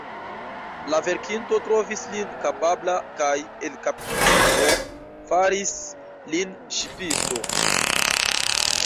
La venkinto trovis lin kapabla, kaj, el kaptito, faris lin ŝipisto.